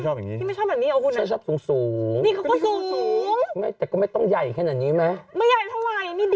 เออที่ความหล่อยอย่างนี้มันต้องหุ่นเต้นอยู่แล้ว